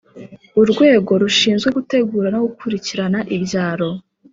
Urwego rushinzwe gutegura no gukurikirana ibyaro